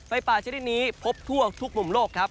ไฟป่าชนิดนี้พบทั่วทุกมุมโลกครับ